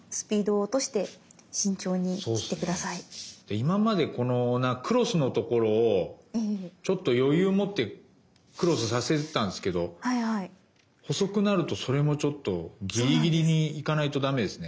今までこのクロスのところをちょっと余裕持ってクロスさせてたんですけど細くなるとそれもちょっとぎりぎりに行かないとダメですね。